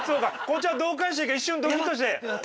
こっちはどう返していいか一瞬ドキッとしてなあ？